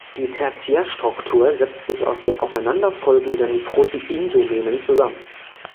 Die Tertiärstruktur setzt sich aus den aufeinanderfolgenden Proteindomänen zusammen.